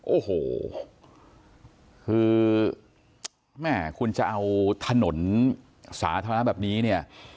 โอ้โหคือแม่คุณจะเอาถนนสาธารณะแบบนี้เนี่ย